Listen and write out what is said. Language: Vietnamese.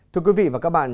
thưa quý vị và các bạn